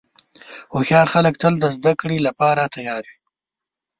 هوښیار خلک تل د زدهکړې لپاره تیار وي.